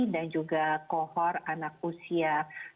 dan juga kohor anak usia